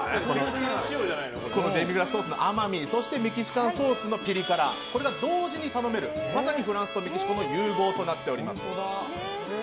デミグラスソースの甘みメキシカンソースのピリ辛これが同時に楽しめるまさにフランスとメキシコの融合となっております。